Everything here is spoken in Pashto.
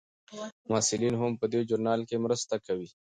محصلین هم په دې ژورنال کې مرسته کوي.